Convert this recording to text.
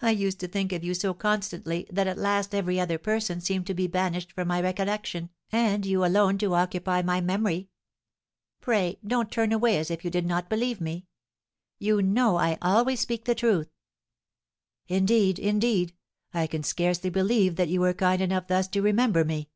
I used to think of you so constantly that at last every other person seemed to be banished from my recollection, and you alone to occupy my memory. Pray don't turn away as if you did not believe me. You know I always speak the truth." "Indeed, indeed, I can scarcely believe that you were kind enough thus to remember me."